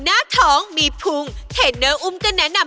เอาข้างล่ะตอนเอาขึ้นมา